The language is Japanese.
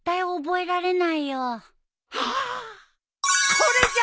これじゃ！